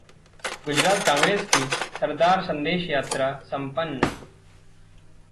गुजरात कांग्रेस की सरदार संदेश यात्रा संपन्न